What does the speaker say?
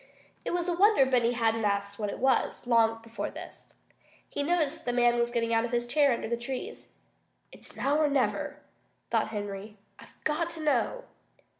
It was a wonder Benny hadn't asked what it was, long before this. He noticed that the man was getting out of his chair under the trees. "It's now or never," thought Henry. "I've got to know!"